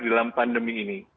dalam pandemi ini